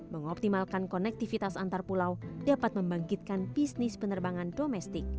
mengoptimalkan konektivitas antar pulau dapat membangkitkan bisnis penerbangan domestik